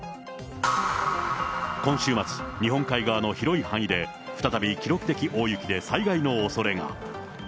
今週末、日本海側の広い範囲で、再び記録的大雪で災害のおそれが。